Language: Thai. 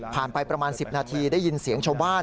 ไปประมาณ๑๐นาทีได้ยินเสียงชาวบ้าน